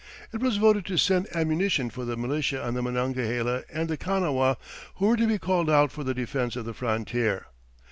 It was voted to send ammunition for the militia on the Monongahela and the Kanawha, who were to be called out for the defense of the frontier.